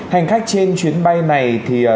hành khách trên chuyến bay này